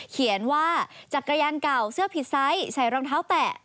เขียนว่าจักรยานเก่าเสื้อผิดไซส์ใส่รองเท้าแตะ